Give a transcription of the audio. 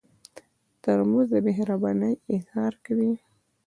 ترموز د مهربانۍ اظهار کوي.